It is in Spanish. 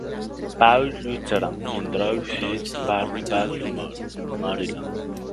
Paul's Lutheran en Druid Hill Park en Baltimore, Maryland.